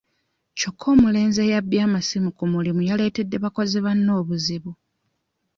Kyokka omulenzi eyabbye amasimu ku mulimu yaletedde bakozi banne obuzibu.